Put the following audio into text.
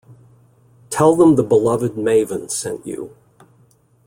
Tell them the beloved "Maven" sent you.